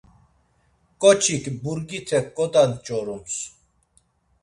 K̆oçik burgite ǩoda nç̌orums.